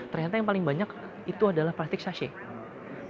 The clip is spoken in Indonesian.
ternyata yang paling banyak itu adalah plastik sachet